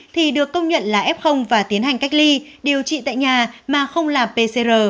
thì được công nhận là f và tiến hành cách ly điều trị tại nhà mà không là pcr